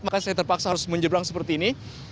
maka saya terpaksa harus menjebrang seperti ini